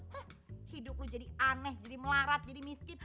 hah hidup lo jadi aneh jadi melarat jadi miskin